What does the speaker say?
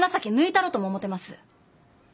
たろとも思てます。